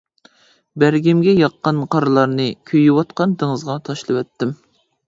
بەرگىمگە ياققان قارلارنى كۆيۈۋاتقان دېڭىزغا تاشلىۋەتتىم.